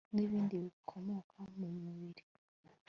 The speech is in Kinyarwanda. n ibindi bikomoka mu mubiri